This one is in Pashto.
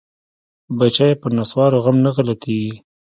بچيه په نسوارو غم نه غلطيګي.